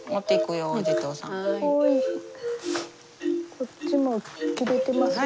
こっちも切れてますよ。